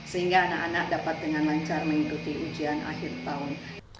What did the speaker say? sehingga anak anak dapat dengan lancar mengikuti ujian akhir tahun